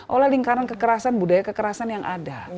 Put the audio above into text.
oleh lingkaran kekerasan budaya kekerasan yang ada